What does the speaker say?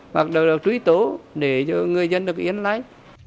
hoặc được trúy tố để cho người dân được yên lấy